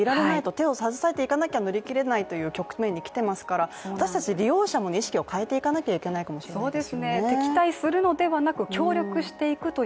手を携えていないと乗り切れないという局面に来てますから私たち利用者も意識を変えていかなきゃいけないかもしれないですね。